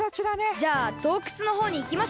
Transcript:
じゃあどうくつのほうにいきましょう。